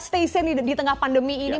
stay in di tengah pandemi ini